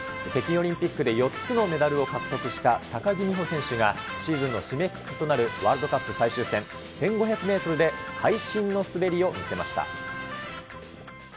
北京オリンピックで４つのメダルを獲得した高木美帆選手が、シーズンの締めくくりとなるワールドカップ最終戦１５００メートルで、会心の滑りを見せました。